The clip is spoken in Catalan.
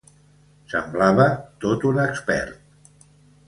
Semblava tot un expert.